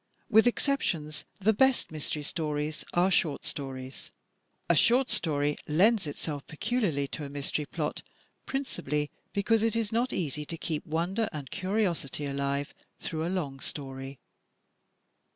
With exceptions, the best mystery stories are short stories. A short story lends itself peculiarly to a mystery plot, principally because it is not easy to keep wonder and curiosity alive through a long story.